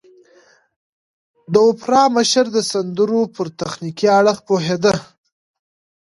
د اوپرا مشر د سندرو پر تخنيکي اړخ پوهېده.